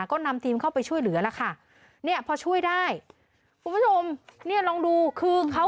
ก็นำทีมเข้าไปช่วยเหลือแล้วค่ะ